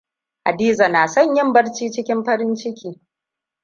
Hadiza na son yin barci cikin farin ciki.